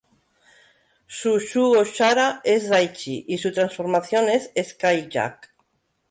Su Shugo Chara es Daichi y su transformación es "Sky Jack".